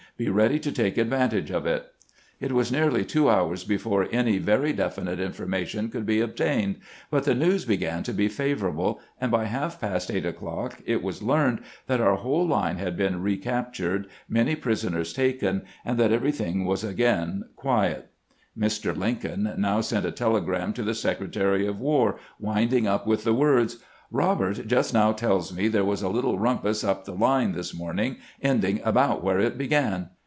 Be ready to take advantage of it." It was nearly two hours before any very definite in formation could be obtained, but the news began to be favorable, and by half past eight o'clock it was learned ATTACK ON FORT STEDMAN 405 that our whole line had been recaptured, many prison ers taken, and that everything was again quiet. Mr, Lincoln now sent a telegram to the Secretary of War, winding up with the words :" Robert just now tells me there was a little rumpus up the line this morning, end ing about where it began."